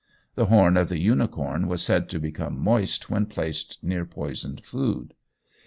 The horn of the unicorn was said to become moist when placed near poisoned food.